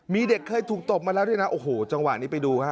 มีเด็กเคยถูกตบมาแล้วด้วยนะโอ้โหจังหวะนี้ไปดูฮะ